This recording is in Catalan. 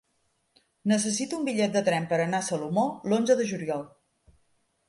Necessito un bitllet de tren per anar a Salomó l'onze de juliol.